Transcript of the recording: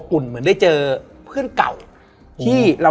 และวันนี้แขกรับเชิญที่จะมาเชิญที่เรา